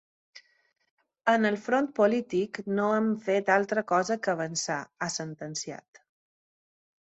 En el front polític, no hem fet altra cosa que avançar, ha sentenciat.